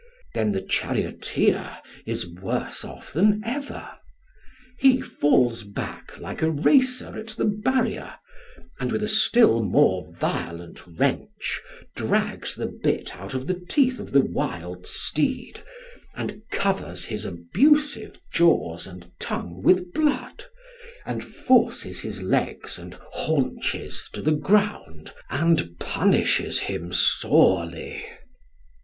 Then the charioteer is worse off than ever; he falls back like a racer at the barrier, and with a still more violent wrench drags the bit out of the teeth of the wild steed and covers his abusive jaws and tongue with blood, and forces his legs and haunches to the ground and punishes him sorely.